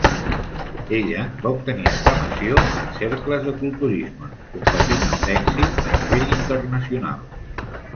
Ella va obtenir aclamació en cercles de culturisme competint amb èxit a nivell internacional.